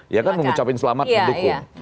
ya kan mengucapkan selamat mendukung